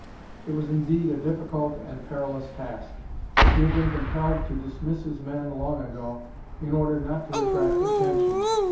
It was indeed a difficult and perilous task. He had been compelled to dismiss his men long ago, in order not to attract attention.